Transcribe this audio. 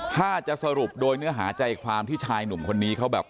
ถ้าจะสรุปโดยเนื้อหาใจความที่ชายหนุ่มคนนี้เขาแบบ